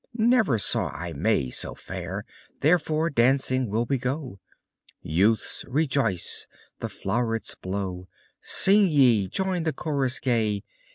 Never saw I May so fair; Therefore, dancing will we go: Youths rejoice, the flowrets blow; Sing ye! join the chorus gay!